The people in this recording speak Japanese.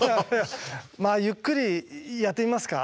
まあゆっくりやってみますか？